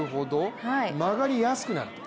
曲がりやすくなる？